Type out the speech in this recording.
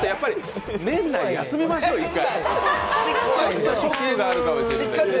年内休みましょう、一回。